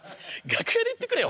楽屋で言ってくれよ。